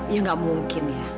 ya gak mungkin ya